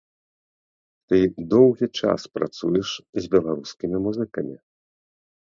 Ты доўгі час працуеш с беларускімі музыкамі.